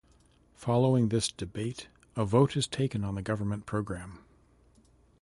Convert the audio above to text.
Following this debate, a vote is taken on the Government Programme.